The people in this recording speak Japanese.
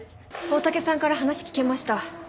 大竹さんから話聞けました。